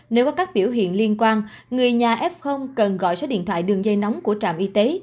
nếu có các biểu hiện liên quan người nhà f cần gọi số điện thoại đường dây nóng của trạm y tế